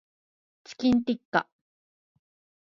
チキンティッカ